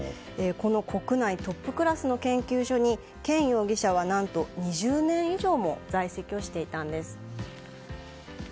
この国内トップクラスの研究所にケン容疑者は何と２０年以上も在籍をしていたんです。